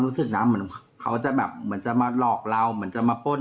รู้สึกนะเหมือนเขาจะแบบเหมือนจะมาหลอกเราเหมือนจะมาป้น